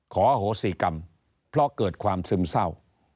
โหสีกรรมเพราะเกิดความซึมเศร้า